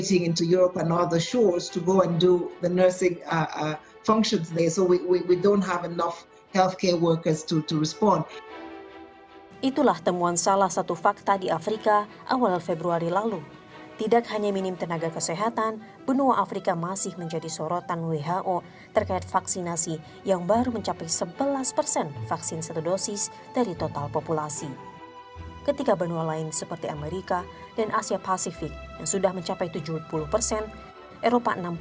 itu sulit untuk mengembangkan vaksin dalam hal mendapatkan alat yang benar